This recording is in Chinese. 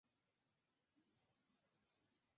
必要的健康证明要做到全国互认